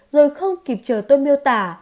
rồi không kịp chờ tôi miêu tả